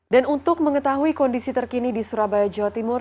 dan untuk mengetahui kondisi terkini di surabaya jawa timur